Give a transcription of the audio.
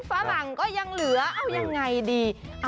ฝรั่งก็ยังเหลือเอายังไงดี